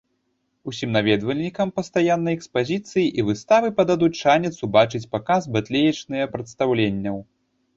Усім наведвальнікам пастаяннай экспазіцыі і выставы пададуць шанец убачыць паказ батлеечныя прадстаўленняў.